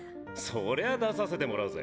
そりゃ出させてもらうぜ。